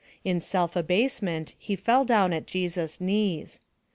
In self abasement he fell down at Jesus' knees.